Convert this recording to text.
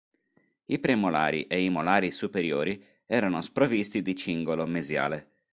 I premolari e i molari superiori erano sprovvisti di cingolo mesiale.